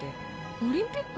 オリンピック？